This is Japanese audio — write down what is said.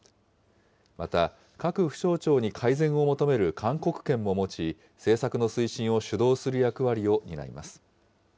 また、各府省庁に改善を求める勧告権も持ち、政策の推進を主導する役割を担います。